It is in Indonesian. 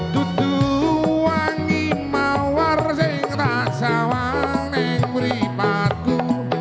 tutuk angin mawar seng tak sawaneng beri padu